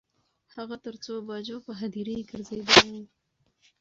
هغه تر څو بجو په هدیرې ګرځیدلی و.